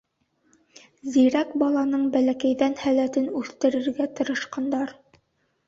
Зирәк баланың бәләкәйҙән һәләтен үҫтерергә тырышҡандар.